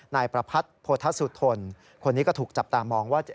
นายประพัทธ์โพธสุธนคนนี้ก็ถูกจับตามองว่า